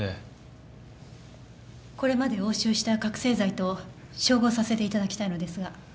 これまで押収した覚醒剤と照合させていただきたいのですが。